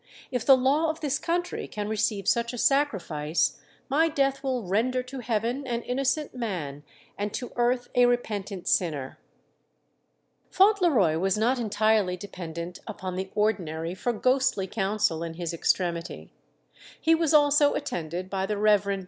If the law of this country can receive such a sacrifice, my death will render to heaven an innocent man, and to earth a repentant sinner." Fauntleroy was not entirely dependent upon the ordinary for ghostly counsel in his extremity. He was also attended by the Rev. Mr.